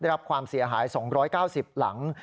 รับความเสียหาย๒๙๐หลัง